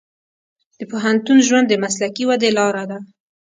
د پوهنتون ژوند د مسلکي ودې لار ده.